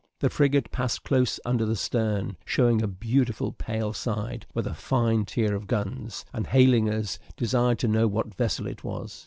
The frigate passed close under the stern, shewing a beautiful pale side, with a fine tier of guns; and, hailing us, desired to know what vessel it was.